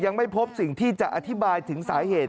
ยังไม่พบสิ่งที่จะอธิบายถึงสาเหตุ